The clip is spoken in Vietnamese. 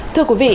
thưa quý vị